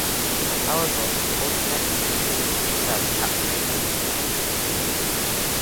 However, Odznetsi himself captured the Patriarch.